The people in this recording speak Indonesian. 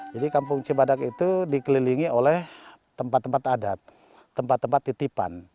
jadi kampung cibadak itu dikelilingi oleh tempat tempat adat tempat tempat titipan